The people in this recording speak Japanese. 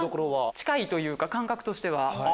近いというか感覚としては。